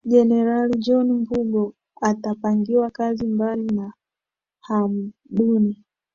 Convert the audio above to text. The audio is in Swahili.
Jenerali John Mbungo atapangiwa kazi mbali na Hamduni